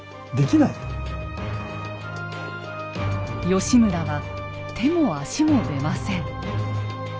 義村は手も足も出ません。